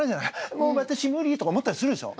「もうわたし無理」とか思ったりするでしょ？